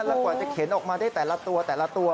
แล้วกว่าจะเข็นออกมาได้แต่ละตัวแต่ละตัว